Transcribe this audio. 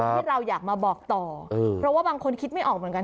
ที่เราอยากมาบอกต่อเพราะว่าบางคนคิดไม่ออกเหมือนกัน